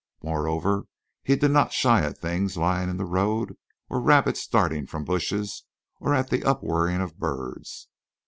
Moreover, he did not shy at things lying in the road or rabbits darting from bushes or at the upwhirring of birds.